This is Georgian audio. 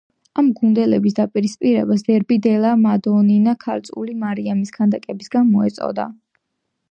ამ გუნდების დაპირისპირებას დერბი „დელა მადონინა“ ქალწული მარიამის ქანდაკების გამო ეწოდა.